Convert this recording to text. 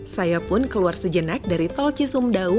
saya pun keluar sejenak dari tol cisumdawu